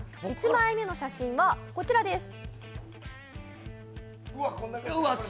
１枚目の写真はこちらです。